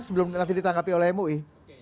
sebelum ditangkap oleh mui